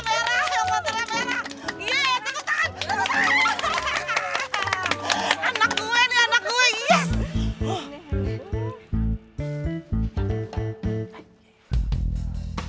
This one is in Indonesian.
kasih tepuk tangan